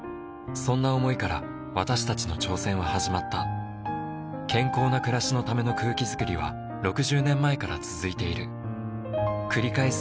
そんな想いから私たちの挑戦は始まった健康な暮らしのための空気づくりは６０年前から続いている繰り返す